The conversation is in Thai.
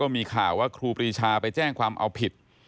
มีข่าวว่าครูปรีชาไปแจ้งความเอาผิด